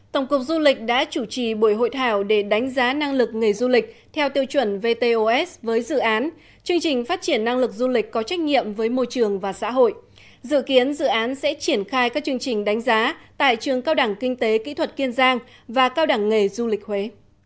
tổng cục du lịch đã chủ trì buổi hội thảo để đánh giá năng lực nghề du lịch theo tiêu chuẩn vtos với dự án chương trình phát triển năng lực du lịch có trách nhiệm với môi trường và xã hội dự kiến dự án sẽ triển khai các chương trình đánh giá tại trường cao đẳng kinh tế kỹ thuật kiên giang và cao đẳng nghề du lịch huế